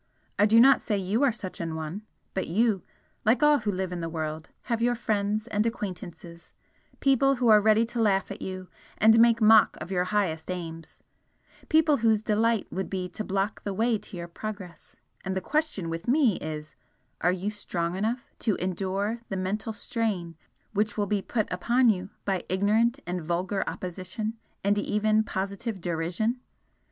I do not say you are such an one, but you, like all who live in the world, have your friends and acquaintances people who are ready to laugh at you and make mock of your highest aims people whose delight would be to block the way to your progress and the question with me is Are you strong enough to ensure the mental strain which will be put upon you by ignorant and vulgar opposition and even positive derision?